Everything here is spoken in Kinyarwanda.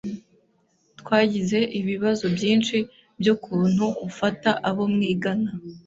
Twagize ibibazo byinshi byukuntu ufata abo mwigana.